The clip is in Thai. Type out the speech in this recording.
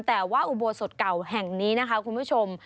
แต่ว่าอุโบสถเก่าแห่งนี้นะคะคุณผู้ชม